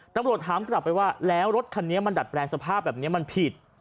ตำรวจถามกลับไปว่าแล้วรถคันนี้มันดัดแปลงสภาพแบบนี้มันผิด